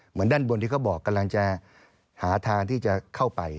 เหมือนด้านบนที่เขาบอกกำลังจะหาทางที่จะเข้าไป